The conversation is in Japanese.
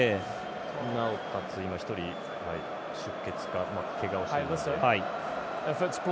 なおかつ、今、１人出血、けがをしてるんで。